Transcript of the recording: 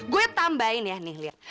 gue tambahin ya nih lihat